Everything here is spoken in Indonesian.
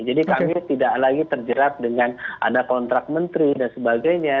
jadi kami tidak lagi terjerat dengan ada kontrak menteri dan sebagainya